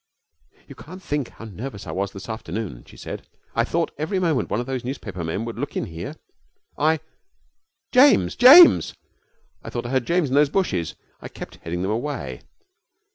'You can't think how nervous I was this afternoon,' she said. 'I thought every moment one of those newspaper men would look in here. I James! James! I thought I heard James in those bushes I kept heading them away.